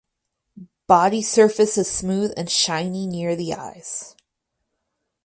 Body surface is smooth and shiny near the eyes.